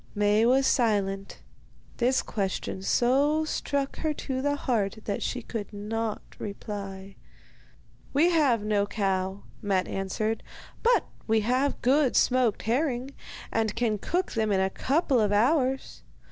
Maie was silent. This question so struck her to the heart that she could not reply. 'We have no cow,' Matte answered; 'but we have good smoked herring, and can cook them in a couple of hours.